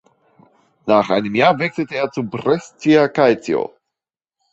Nach einem Jahr wechselte er zu Brescia Calcio.